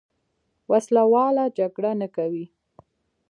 وسله واله جګړه نه کوي.